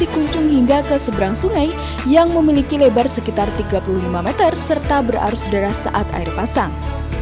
aitu purwo ini bisa meninggalkan seberang sungai yang memiliki lebar sekitar tiga puluh lima meter serta berarus deras saat air pasang